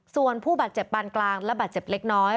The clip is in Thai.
ส่วนผู้บาดเจ็บปานกลางและบาดเจ็บเล็กน้อย